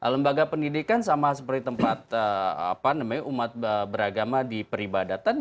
lembaga pendidikan sama seperti tempat umat beragama di peribadatan